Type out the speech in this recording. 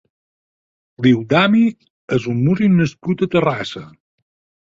Lildami és un músic nascut a Terrassa.